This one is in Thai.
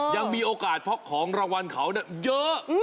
ยังมีโอกาสเพราะของรางวัลเขาเยอะ